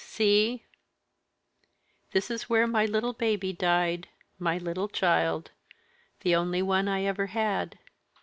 "See! this is where my little baby died my little child the only one I ever had.